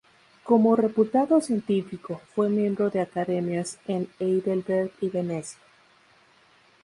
Como reputado científico, fue miembro de Academias en Heidelberg y Venecia.